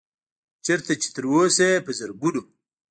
چرته چې تر اوسه پۀ زرګونو